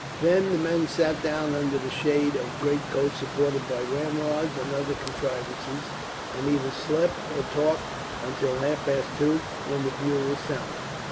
Then the men sat down, under the shade of greatcoats supported by ramrods and other contrivances, and either slept or talked until half past two; when the bugle sounded.